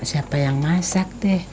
siapa yang masak deh